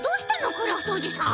クラフトおじさん。